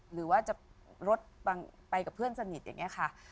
หรือว่าจะรถไปกับเพื่อนสนิทอย่างนี้ค่ะ